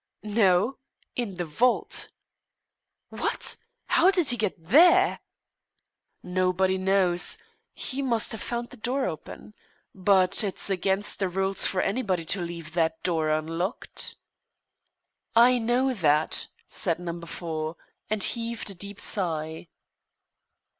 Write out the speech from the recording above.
"No; in the vault." "What! How did he get there?" "Nobody knows. He must have found the door open. But it's against the rules for anybody to leave that door unlocked." "I know that," said Number Four, and heaved a deep sigh.